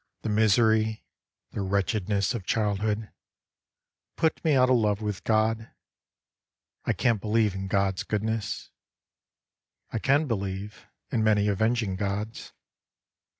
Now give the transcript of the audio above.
the misery, the wretchedness of childhood Put me out of love with God. I can't believe in God's goodness; I can believe In many avenging gods.